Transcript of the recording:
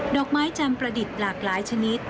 อกไม้จันทร์ประดิษฐ์หลากหลายชนิด